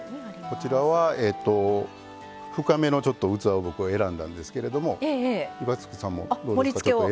こちらは深めの器を僕は選んだんですけれども岩槻さんも盛りつけを。